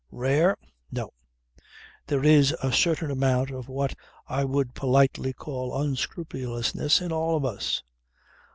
Rare? No. There is a certain amount of what I would politely call unscrupulousness in all of us.